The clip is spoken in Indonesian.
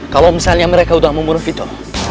kalau misalnya mereka sudah memburu vito